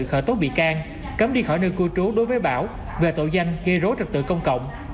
khởi tố bị can cấm đi khỏi nơi cư trú đối với bảo về tội danh gây rối trật tự công cộng